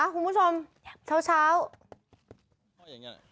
คุณผู้ชมเช้า